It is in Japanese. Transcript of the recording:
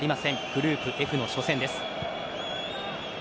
グループＦの初戦です。